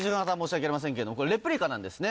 レプリカなんですね